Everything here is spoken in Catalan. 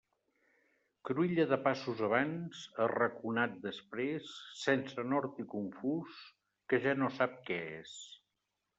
Cruïlla de passos abans, arraconat després, sense nord i confús, que ja no sap què és.